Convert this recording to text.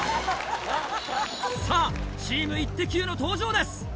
さぁチームイッテＱ！の登場です。